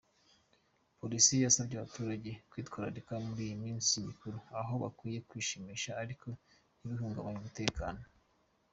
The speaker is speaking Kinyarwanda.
Polisi yasabye abaturage kwitwararika muri iyi minsi mikuru, aho bakwiye kwishimisha ariko ntibihungabanye umutekano.